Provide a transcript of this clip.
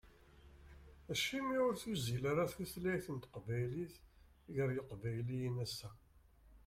Acimi ur tuzzil ara tutlayt n teqbaylit gar yiqbayliyen ass-a?